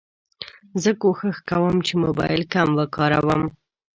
زه کوښښ کوم چې موبایل کم وکاروم.